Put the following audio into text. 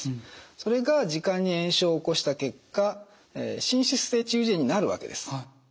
それが耳管に炎症を起こした結果滲出性中耳炎になるわけです。